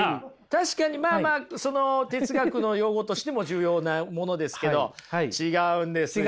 確かにまあまあ哲学の用語としても重要なものですけど違うんです。